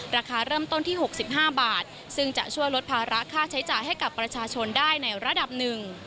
ราคาเริ่มต้นที่๖๕บาทซึ่งจะช่วยลดภาระค่าใช้จ่ายให้กับประชาชนได้ในระดับหนึ่ง